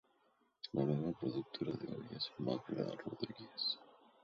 La nueva productora de Hoy es Magda Rodríguez.